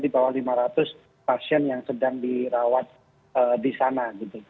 di bawah lima ratus pasien yang sedang dirawat di sana